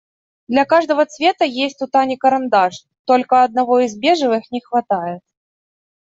Для каждого цвета есть у Тани карандаш, только одного из бежевых не хватает.